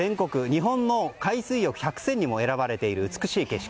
日本の快水浴場百選にも選ばれている美しい景色。